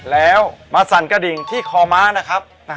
แล้วมาสั่นกระดิ่งที่คอม้านะครับ